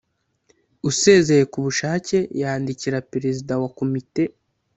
Usezeye ku bushake yandikira Perezida wa komite